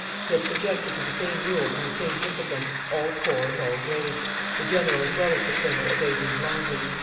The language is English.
He had subjected to the same rules and the same discipline all corps and all grades; the general as well as the colonel obeyed him blindly.